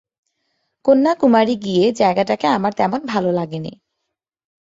কন্যাকুমারী গিয়ে জায়গাটা আমার তেমন ভালো লাগেনি।